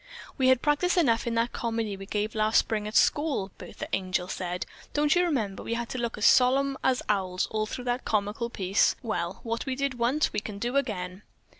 "We had practice enough in that comedy we gave last spring at school," Bertha Angel said. "Don't you remember we had to look as solemn as owls all through that comical piece? Well, what we did once, we can do again."